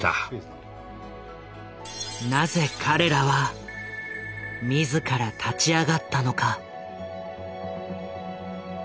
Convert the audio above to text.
なぜ彼らは自ら立ち上がったのか。